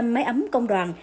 năm trăm linh máy ấm công đoàn